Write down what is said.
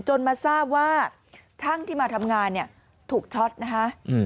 มาทราบว่าช่างที่มาทำงานเนี่ยถูกช็อตนะคะ